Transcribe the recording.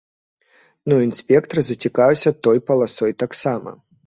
Ну і інспектар зацікавіўся той паласой таксама.